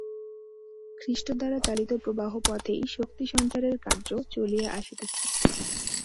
খ্রীষ্ট-দ্বারা চালিত প্রবাহ-পথেই শক্তিসঞ্চারের কার্য চলিয়া আসিতেছে।